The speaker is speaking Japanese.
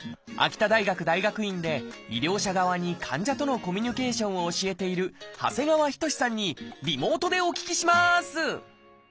秋田大学大学院で医療者側に患者とのコミュニケーションを教えている長谷川仁志さんにリモートでお聞きします！